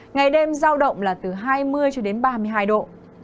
ngày đêm giao động là từ hai mươi cho đến ba mươi hai độ